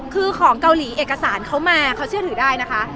คือของเกาหลีเอกสารเขามาเขาเชื่อถือได้นะคะ